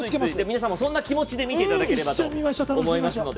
皆さんもそんな気持ちで見ていただければと思います。